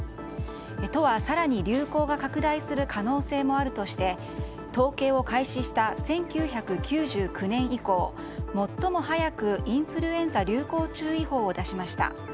都は、更に流行が拡大する可能性もあるとして統計を開始した１９９９年以降最も早くインフルエンザ流行注意報を出しました。